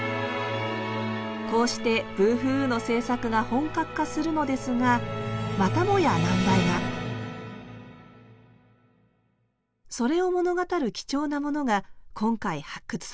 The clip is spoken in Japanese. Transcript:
こうして「ブーフーウー」の制作が本格化するのですがまたもや難題がそれを物語る貴重なものが今回発掘されました。